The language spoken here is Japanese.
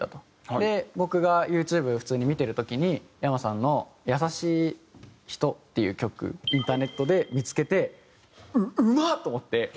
で僕がＹｏｕＴｕｂｅ普通に見てる時にｙａｍａさんの『優しい人』っていう曲インターネットで見付けてうっうまっ！と思って。